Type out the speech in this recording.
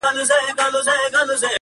هغه وايي يو درد مي د وزير پر مخ گنډلی!